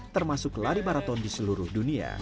termasuk lari maraton di seluruh dunia